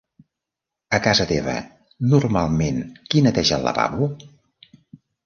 A casa teva normalment qui neteja el lavabo?